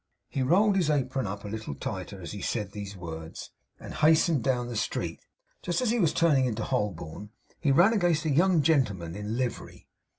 He rolled his apron up a little tighter as he said these words, and hastened down the street. Just as he was turning into Holborn, he ran against a young gentleman in a livery.